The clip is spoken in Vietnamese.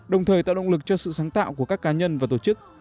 đồng thời tạo động lực cho sự sáng tạo của các cá nhân và tổ chức